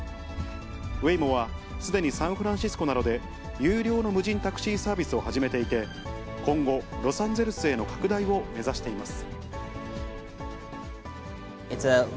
ウェイモは、すでにサンフランシスコなどで有料の無人タクシーサービスを始めていて、今後、ロサンゼルスへの拡大を目指しています。